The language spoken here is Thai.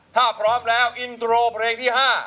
ถ้าพร้อมแล้วอินโทรเพลงที่๕